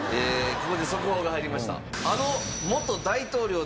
ここで速報が入りました。